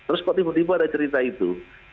terus kok tiba tiba ada cerita itu